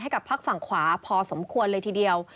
กับพักฝั่งขวาพอสมควรเลยทีเดียว